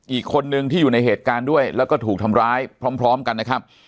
อีกคนนึงที่อยู่ในเหตุการณ์ด้วยแล้วก็ถูกทำร้ายพร้อมกันนะครับ